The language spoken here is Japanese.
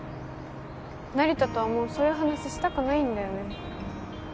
成田とはもうそういう話したくないんだよね